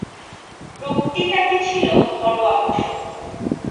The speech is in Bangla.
বক্তৃতাটি ছিল একটি ঘরোয়া ভাষণ।